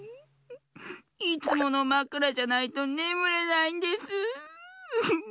いつものまくらじゃないとねむれないんです。